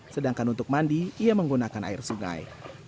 sedangkan untuk mandi ia menggunakan air sungai